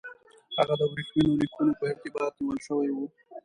هغه د ورېښمینو لیکونو په ارتباط نیول شوی وو.